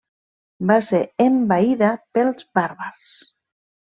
Va ser envaïda pels bàrbars.